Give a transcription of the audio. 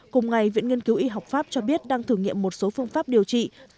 cùng ngày viện nghiên cứu y học pháp cho biết đang thử nghiệm một số phương pháp điều trị